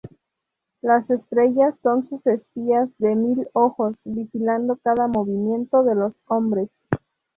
Las estrellas son sus espías de mil ojos, vigilando cada movimiento de los hombres.